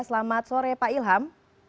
selamat sore pak ilham